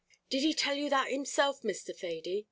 "Did he tell you that himself, Mr. Thady?"